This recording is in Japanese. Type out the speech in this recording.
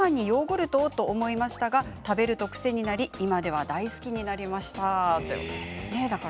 初めはごはんにヨーグルト？と思いましたが、食べると癖になり今では大好きになりました。